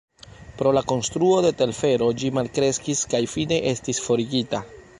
Pro la konstruo de telfero ĝi malkreskis kaj fine estis forigita.